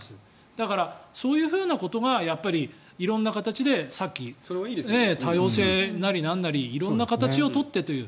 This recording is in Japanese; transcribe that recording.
だからそういうふうなことが色んな形でさっき多様性なりなんなり色んな形を取ってという。